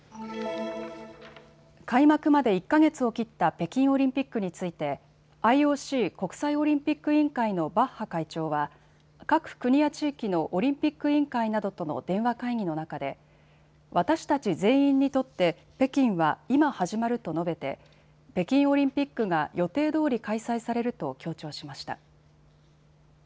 開幕まで１か月を切った北京オリンピックについてＩＯＣ・国際オリンピック委員会のバッハ会長は各国や地域のオリンピック委員会などとの電話会議の中で私たち全員にとって北京は今、始まると述べて北京オリンピックが予定どおり開催されると強調しました。